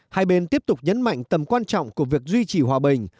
hai bên tiếp tục nhấn mạnh tầm quan trọng của việc duy trì hòa bình